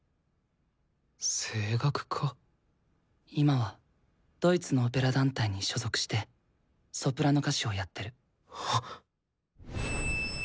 今はドイツのオペラ団体に所属してソプラノ歌手をやってる。